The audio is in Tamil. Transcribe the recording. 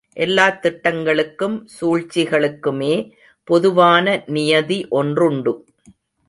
எல்லாத் திட்டங்களுக்கும் சூழ்ச்சிகளுக்குமே பொதுவான நியதி ஒன்றுண்டு.